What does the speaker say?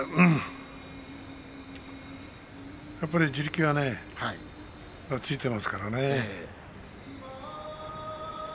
やっぱり地力がねついていますからね。